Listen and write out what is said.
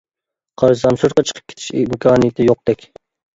قارىسام سىرتقا چىقىپ كېتىش ئىمكانىيىتى يوقتەك.